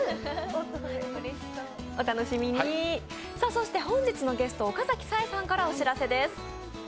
そして本日のゲスト、岡崎紗絵さんからお知らせです。